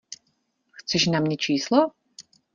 Chceš na mě číslo?